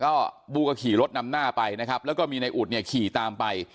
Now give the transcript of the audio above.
ก็บู้ก็ขี่รถนำหน้าไปนะครับแล้วก็มีในอุดเนี่ยขี่ตามไป